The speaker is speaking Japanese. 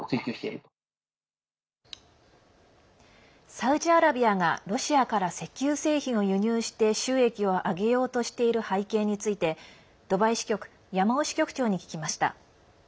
サウジアラビアがロシアから石油製品を輸入して収益を上げようとしている背景についてドバイ支局山尾支局長に聞きました。